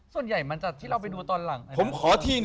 คุณไปมาทั้งหมดวันที่ปีแล้วที่ไปล่าผิงของคุณหน่อย